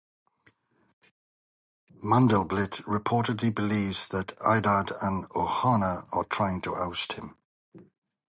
Mandelblit reportedly believes that Eldad and Ohana are trying to oust him.